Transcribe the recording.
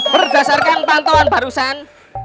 berdasarkan pantauan barusan